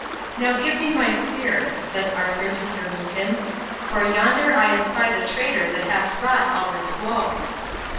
"Now give me my spear," said Arthur unto Sir Lucan; "for yonder I espy the traitor that hast wrought all this woe."